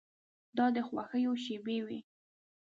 دا د خوښیو شېبې وې.